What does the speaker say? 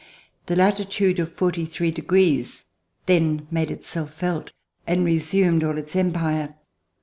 The latitude of forty three degrees then made itself felt and resumed all its empire.